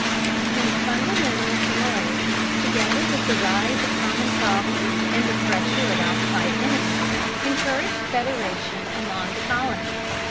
These fundamental similarities, together with the rise of common problems and the pressure of outside enemies, encouraged federation among the colonies.